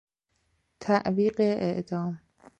تعویق اعدام